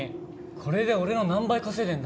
これで俺の何倍稼いでんだろう。